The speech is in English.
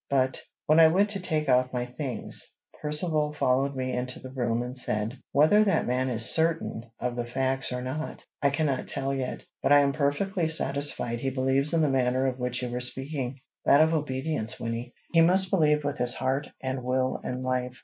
But, when I went to take off my things, Percivale followed me into the room and said, "Whether that man is certain of the facts or not, I cannot tell yet; but I am perfectly satisfied he believes in the manner of which you were speaking, that of obedience, Wynnie. He must believe with his heart and will and life."